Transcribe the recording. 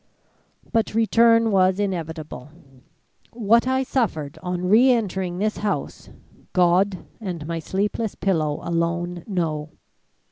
"But return was inevitable. What I suffered on re entering this house, God and my sleepless pillow alone know.